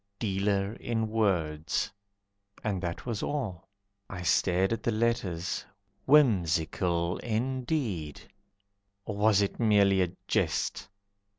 Dealer in Words." And that was all. I stared at the letters, whimsical Indeed, or was it merely a jest.